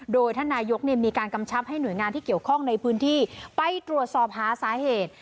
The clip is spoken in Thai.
โดยท่านนายกมีการกำชับให้หน่วยงานที่เกี่ยวข้องในพื้นที่ไปตรวจสอบหาสาเหตุ